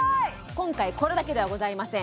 今回これだけではございません